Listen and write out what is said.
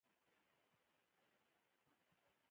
کوتره خلک خوشحالوي.